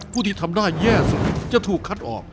ผู้ที่ทำได้แย่สุดจะถูกคัดออก